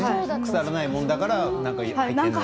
腐らないものだからと。